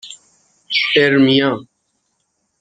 اِرمیا